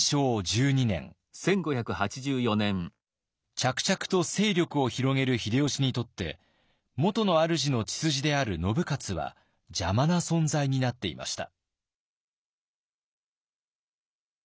着々と勢力を広げる秀吉にとって元のあるじの血筋である信雄は邪魔な存在になっていました。